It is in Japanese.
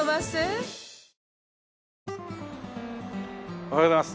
おはようございます。